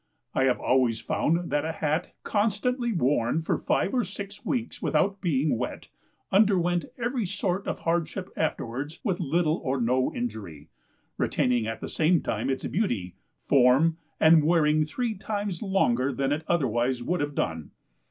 I have always found that a Hat, constantly worn for five or six weeks without being wet, underwent every sort of hardship afterwards with little or no injury, retaining at the same time its beauty form and wearing three times longer than it otherwise would have done.